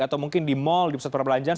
atau mungkin di mal di pusat perbelanjaan